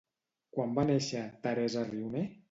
Quan va néixer Teresa Rioné?